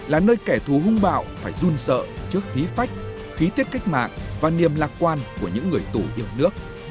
là nơi kẻ thù hung bạo phải run sợ trước khí phách khí tiết cách mạng và niềm lạc quan của những người tù yêu nước